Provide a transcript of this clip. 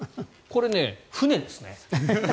これ、船ですね。